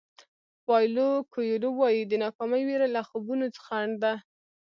پایلو کویلو وایي د ناکامۍ وېره له خوبونو خنډ ده.